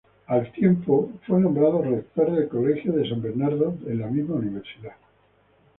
Al tiempo, fue nombrado rector del Colegio de San Bernardo en la misma universidad.